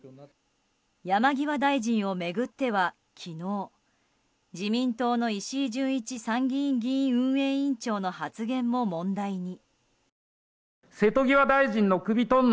山際大臣を巡っては昨日自民党の石井準一参議院議院運営委員長の発言も問題に。